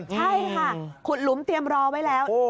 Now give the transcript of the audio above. ใช่ค่ะขุดหลุมเตรียมรอไว้แล้ว